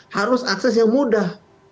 harus akses yang mudah